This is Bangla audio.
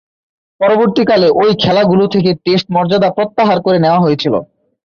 পরবর্তীকালে ঐ খেলাগুলো থেকে টেস্ট মর্যাদা প্রত্যাহার করে নেয়া হয়েছিল।